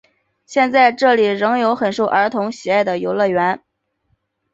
现在这里仍有很受儿童喜爱的游乐园。